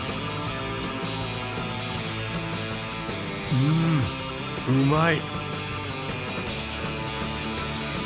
うんうまい